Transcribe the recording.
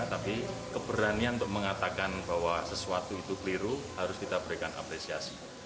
tapi keberanian untuk mengatakan bahwa sesuatu itu keliru harus kita berikan apresiasi